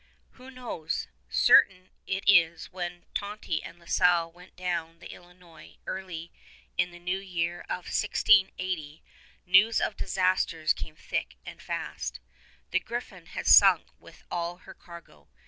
Who knows? Certain it is when Tonty and La Salle went down the Illinois early in the new year of 1680, news of disasters came thick and fast. The Griffon had sunk with all her cargo.